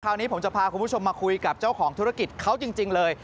นี้ผมจะพาคุณผู้ชมมาคุยกับเจ้าของธุรกิจเขาจริงเลย